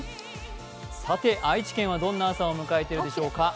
愛知県は、どんな朝を迎えているでしょうか？